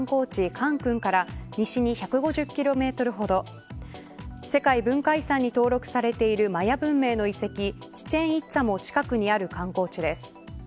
カンクンから西に１５０キロメートルほど世界文化遺産に登録されているマヤ文明の遺跡チチェン・イッツァも近くにある観光地です。